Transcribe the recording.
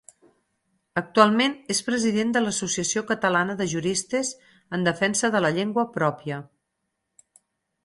Actualment és president de l'Associació Catalana de Juristes en defensa de la llengua pròpia.